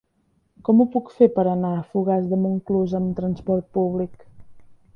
Com ho puc fer per anar a Fogars de Montclús amb trasport públic?